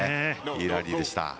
いいラリーでした。